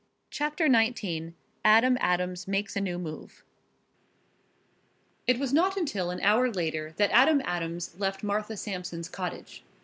CHAPTER XIX ADAM ADAMS MAKES A NEW MOVE It was not until an hour later that Adam Adams left Martha Sampson's cottage.